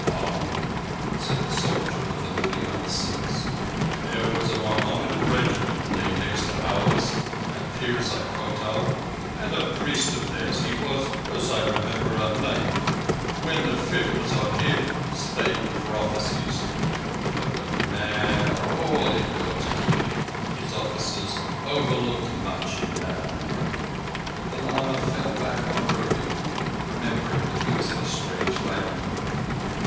"Um!" said the soldier of the Ludhiana Sikhs. "There was a Mohammedan regiment lay next to us at the Pirzai Kotal, and a priest of theirs—he was, as I remember, a naik—when the fit was on him, spake prophecies. But the mad all are in God's keeping. His officers overlooked much in that man." The lama fell back on Urdu, remembering that he was in a strange land.